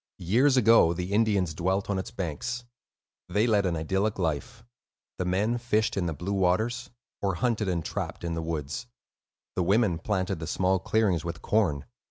Years ago, the Indians dwelt on its banks. They led an idyllic life: the men fished in the blue waters, or hunted and trapped in the woods; the women planted the small clearings with corn.